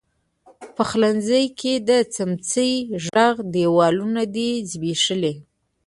پخلنځي کې د څمڅۍ ږغ، دیوالونو دی زبیښلي